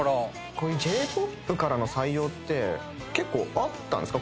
こういうＪ−ＰＯＰからの採用って結構あったんですか？